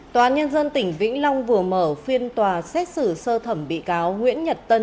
tòa án nhân dân tỉnh vĩnh long vừa mở phiên tòa xét xử sơ thẩm bị cáo nguyễn nhật tân